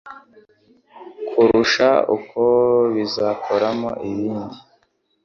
kurusha uko bazikoramo ibindi